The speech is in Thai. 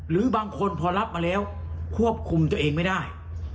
หรือบางคนพอรับมาแล้วควบคุมตัวเองไม่ได้